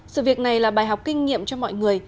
sự việc này là bài học kinh nghiệm cho mọi người